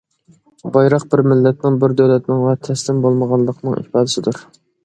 بايراق- بىر مىللەتنىڭ، بىر دۆلەتنىڭ، ۋە تەسلىم بولمىغانلىقىنىڭ ئىپادىسىدۇر.